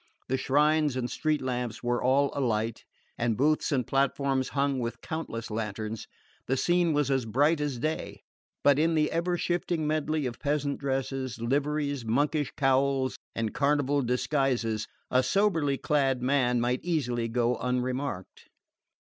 The shrines and street lamps being all alight, and booths and platforms hung with countless lanterns, the scene was as bright as day; but in the ever shifting medley of peasant dresses, liveries, monkish cowls and carnival disguises, a soberly clad man might easily go unremarked.